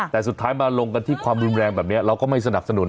แต่สุดท้ายมาลงกันที่ความรุนแรงแบบนี้เราก็ไม่สนับสนุน